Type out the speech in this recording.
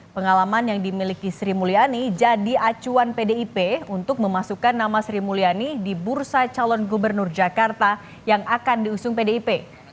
pengalaman yang dimiliki sri mulyani jadi acuan pdip untuk memasukkan nama sri mulyani di bursa calon gubernur jakarta yang akan diusung pdip